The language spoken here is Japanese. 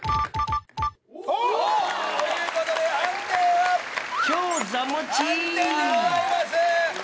・ということで判定は満点でございます。